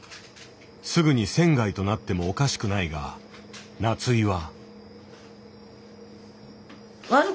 すぐに選外となってもおかしくないが夏井は。